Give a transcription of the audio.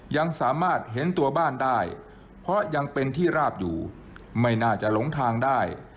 ยังสามารถเห็นตัวบ้านได้เพราะยังเป็นที่ราบอยู่ไม่น่าจะหลงทางได้